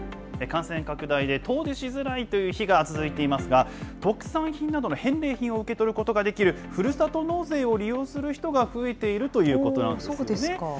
感染拡大で遠出しづらいという日が続いていますが、特産品などの返礼品を受け取ることができる、ふるさと納税を利用する人が増えているということなんですよね。